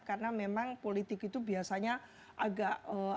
karena memang politik itu biasanya agak